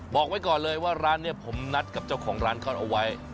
บอกไว้ก่อนเลยว่าร้านนี้ผมนัดกับเจ้าของร้านเขาเอาไว้